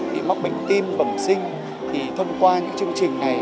thì mắc bệnh tim bẩm sinh thì thông qua những chương trình này